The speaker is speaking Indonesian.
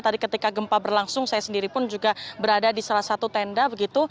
tadi ketika gempa berlangsung saya sendiri pun juga berada di salah satu tenda begitu